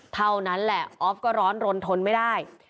เท่านั้นแหละออฟก็ร้อนรนทนไม่ได้